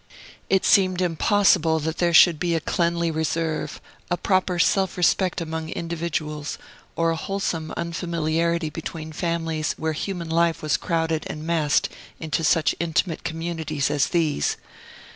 It seemed impossible that there should be a cleanly reserve, a proper self respect among individuals, or a wholesome unfamiliarity between families where human life was crowded and massed into such intimate communities as these.